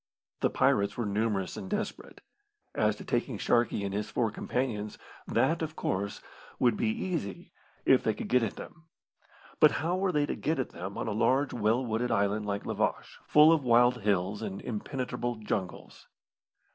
The pirates were numerous and desperate. As to taking Sharkey and his four companions, that, of course, would be easy if they could get at them; but how were they to get at them on a large well wooded island like La Vache, full of wild hills and impenetrable jungles?